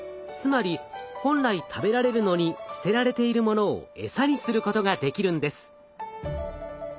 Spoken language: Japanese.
つまり本来食べられるのに捨てられているものをエサにすることができるんです。